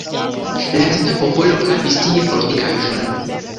La lasta popolo havis tie fortikaĵon.